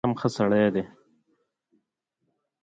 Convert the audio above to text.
انعام ښه سړى دئ.